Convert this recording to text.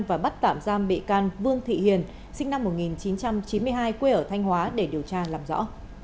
và bắt tạm giam bị can vương thị hiền sinh năm một nghìn chín trăm chín mươi hai quê ở thanh hóa để điều tra làm rõ